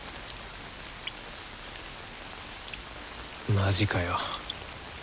マジかよ。